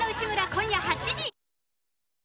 今夜８時。